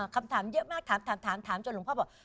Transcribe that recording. คำถามเยอะมากถามถามจนหลวงพ่อบอก